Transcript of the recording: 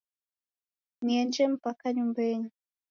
Nienje mpaka nyumbenyi